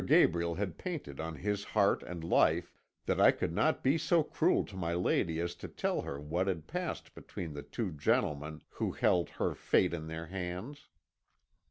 Gabriel had painted on his heart and life, that I could not be so cruel to my lady as to tell her what had passed between the two gentlemen who held her fate in their hands.